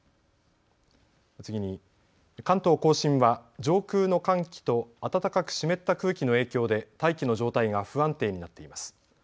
次に関東甲信は上空の寒気と暖かく湿った空気の影響で大気の状態が不安定になっています。